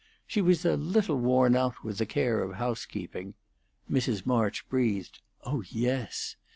She was a little worn out with the care of housekeeping Mrs. March breathed, "Oh yes!"